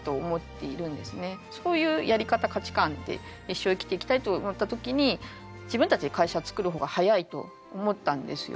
そういうやり方価値観で一生生きていきたいと思った時に自分たちで会社つくる方が早いと思ったんですよ。